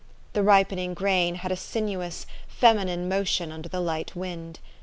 The ripen ing grain had a sinuous, feminine motion under the light wind.